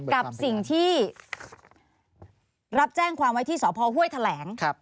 กับสิ่งที่รับแจ้งความไว้ที่สพห้วยแถลง